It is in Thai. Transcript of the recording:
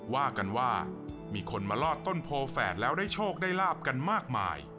ว่ากันว่ามีคนมาลอดต้นโพแฝดแล้วได้โชคได้ลาบกันมากมาย